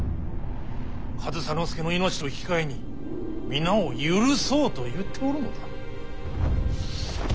上総介の命と引き換えに皆を許そうと言っておるのだ。